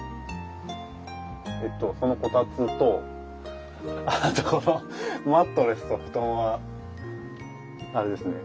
えっとそのこたつとあとこのマットレスと布団はあれですね